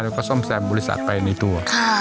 แล้วก็ซ่อมแซมบริษัทไปในตัว